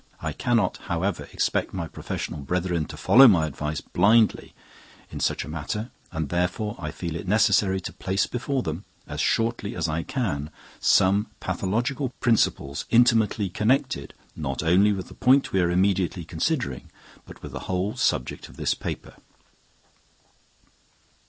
I cannot, however, expect my professional brethren to follow my advice blindly in such a matter, and therefore I feel it necessary to place before them, as shortly as I can, some pathological principles intimately connected, not only with the point we are immediately considering, but with the whole subject of this paper.